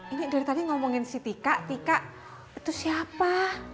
ini dari tadi ngomongin si tika tika itu siapa